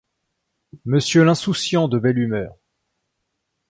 Monsieur l’insouciant de belle humeur !